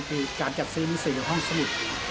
คือการจัดซื้อหนังสือห้องสมุด